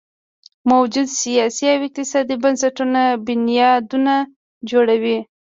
موجوده سیاسي او اقتصادي بنسټونه بنیادونه جوړوي.